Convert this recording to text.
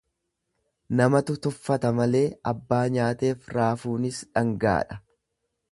Namatu tuffata malee abbaa nyaateef raafuunis dhangaadha.